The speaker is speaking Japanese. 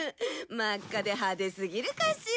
真っ赤で派手すぎるかしら？